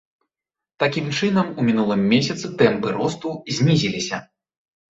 Такім чынам у мінулым месяцы тэмпы росту знізіліся.